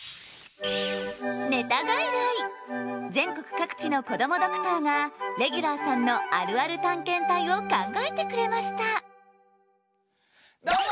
全国各地のこどもドクターがレギュラーさんのあるある探検隊を考えてくれましたどうも！